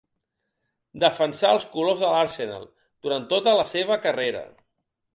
Defensà els colors de l'Arsenal durant tota la seva carrera.